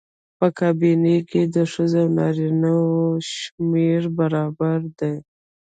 په کابینه کې د ښځو او نارینه وو شمېر برابر دی.